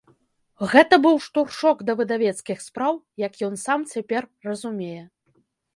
Гэта быў штуршок да выдавецкіх спраў, як ён сам цяпер разумее.